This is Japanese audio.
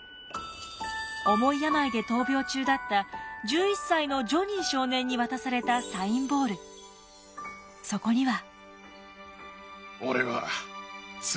重い病で闘病中だった１１歳のジョニー少年に渡されたそこには。